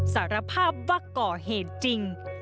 สารภาพว่าก่อเหตุจริง